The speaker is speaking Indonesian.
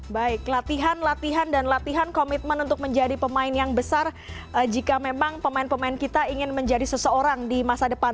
baik latihan latihan dan latihan komitmen untuk menjadi pemain yang besar jika memang pemain pemain kita ingin menjadi seseorang di masa depan